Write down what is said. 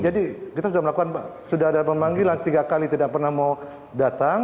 jadi kita sudah melakukan sudah ada memanggilan setiga kali tidak pernah mau datang